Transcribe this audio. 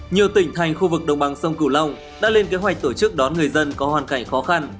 nhiều tỉnh thành khu vực đồng bằng sông cửu long đã lên kế hoạch tổ chức đón người dân có hoàn cảnh khó khăn